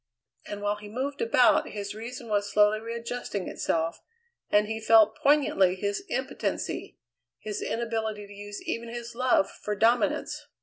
And while he moved about his reason was slowly readjusting itself, and he felt poignantly his impotency, his inability to use even his love for dominance.